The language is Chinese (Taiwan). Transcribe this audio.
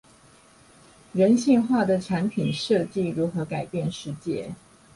人性化的產品設計如何改變世界